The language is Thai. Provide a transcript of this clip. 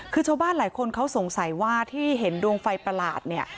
คือชาวบ้านหลายคนเขาสงสัยว่าที่เห็นดวงไฟประหลาดเนี่ย